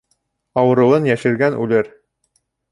Ауырыуын йәшергән үлер